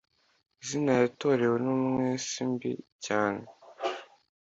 Izina yatorewe n'umwisi mbi cyane